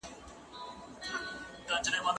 مېوې راټوله،